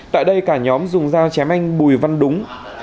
tại đây cả nhóm dùng dao chém anh bùi văn đúng